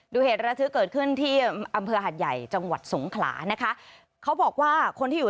เหตุระทึกเกิดขึ้นที่อำเภอหาดใหญ่จังหวัดสงขลานะคะเขาบอกว่าคนที่อยู่